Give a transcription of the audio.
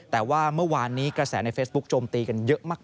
แต่ว่าเมื่อวานนี้กระแสในเฟซบุ๊คโจมตีกันเยอะมาก